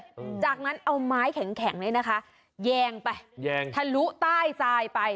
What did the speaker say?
อืมจากนั้นเอาไม้แข็งแข็งเนี้ยนะคะแยงไปแยงทะลุใต้ทรายไป